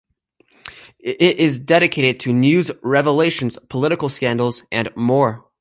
It is dedicated to news, revelations, political scandals, and more.